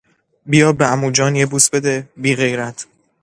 بیا به عموجان یه بوس بده، بیغیرت!